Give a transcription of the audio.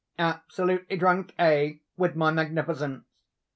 absolutely drunk, eh, with my magnificence?